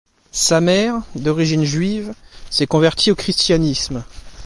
Sa mère, d'origine juive, s'est convertie au christianisme.